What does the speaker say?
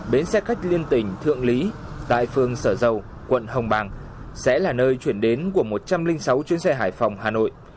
bến xe khách liên tỉnh thượng lý tại phường sở dầu quận hồng bàng sẽ là nơi chuyển đến của một trăm linh sáu chuyến xe hải phòng hà nội